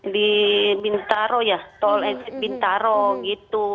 di bintaro ya tol bintaro gitu